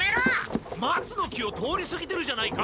松の木を通りすぎてるじゃないか！